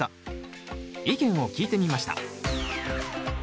意見を聞いてみました。